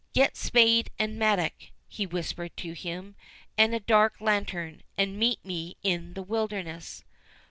—"Get spade and mattock," he whispered to him, "and a dark lantern, and meet me in the Wilderness."